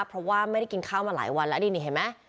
เพราะว่าไม่ได้กินข้าวมาหลายวันแล้วนี่เห็นไหม